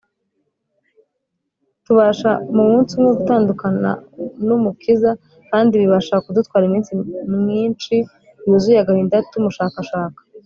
, tubasha mu munsi umwe gutandukana n’Umukiza, kandi bibasha kudutwara iminsi mwinshi yuzuye agahinda tumushakashaka